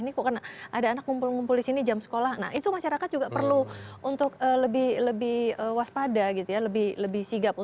ini kok ada anak ngumpul ngumpul di sini jam sekolah nah itu masyarakat juga perlu untuk lebih waspada gitu ya lebih sigap